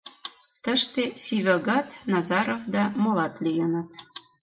Тыште Сивагат, Назаров да молат лийыныт.